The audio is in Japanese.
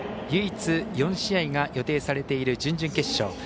唯一、４試合が予定されている準々決勝。